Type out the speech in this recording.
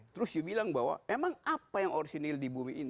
terus you bilang bahwa memang apa yang orisinil di bumi ini